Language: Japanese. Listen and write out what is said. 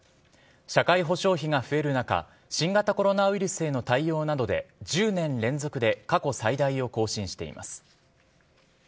社会保障費が増える中新型コロナウイルスへの対応などで１０年連続で過去最大を更新しています。